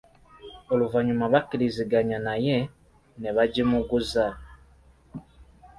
Oluvannyuma bakkirizaganya naye, ne bagimuguza.